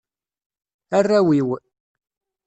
Arraw-iw.